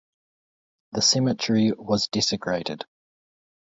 The cemetery was desecrated.